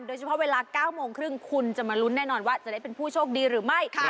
เวลา๙โมงครึ่งคุณจะมาลุ้นแน่นอนว่าจะได้เป็นผู้โชคดีหรือไม่